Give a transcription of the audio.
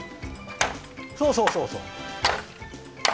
そうそうそうそう。